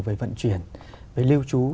về vận chuyển về lưu trú